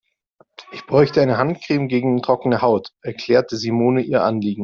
Ich bräuchte eine Handcreme gegen trockene Haut, erklärte Simone ihr Anliegen.